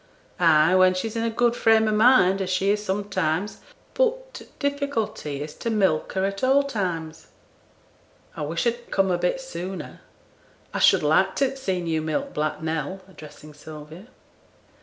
'Ay! when she's in a good frame o' mind, as she is sometimes. But t' difficulty is to milk her at all times.' 'I wish I'd come a bit sooner. I should like t' have seen you milk Black Nell,' addressing Sylvia.